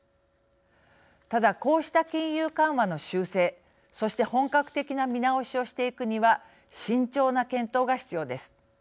ただこうした金融緩和の修正そして本格的な見直しをしていくには慎重な検討が必要です。